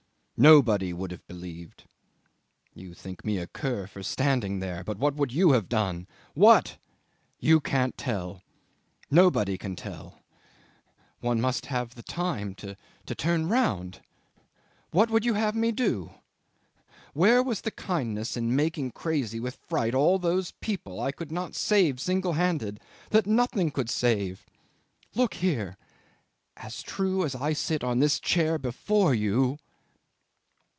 Nobody would have believed. You think me a cur for standing there, but what would you have done? What! You can't tell nobody can tell. One must have time to turn round. What would you have me do? Where was the kindness in making crazy with fright all those people I could not save single handed that nothing could save? Look here! As true as I sit on this chair before you